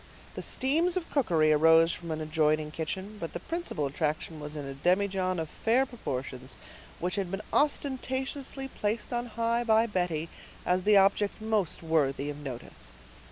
The steams of cookery arose from an adjoining kitchen, but the principal attraction was in a demijohn of fair proportions, which had been ostentatiously placed on high by Betty as the object most worthy of notice.